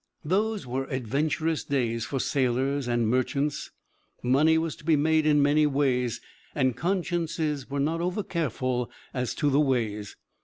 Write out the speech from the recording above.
Those were adventurous days for sailors and merchants. Money was to be made in many ways, and consciences were not overcareful as to the ways.